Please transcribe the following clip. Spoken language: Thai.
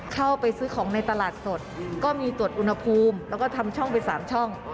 เข้าไปซื้อของในตลาดสดก็มีตรวจอุณหภูมิแล้วก็ทำช่องไป๓ช่อง